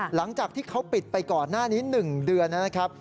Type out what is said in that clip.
หลังจากที่เขาปิดไปก่อนหน้านี้๑เดือนนะครับ